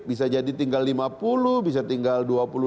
bisa jadi tinggal lima puluh bisa tinggal dua puluh